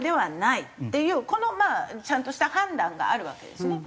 このまあちゃんとした判断があるわけですね。